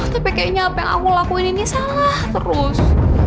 tapi kayaknya apa yang aku lakuin ini salah terus